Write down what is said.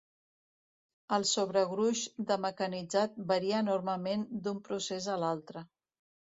El sobregruix de mecanitzat varia enormement d'un procès a l'altre.